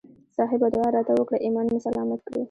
صاحبه دعا راته وکړه ایمان مې سلامت کړي.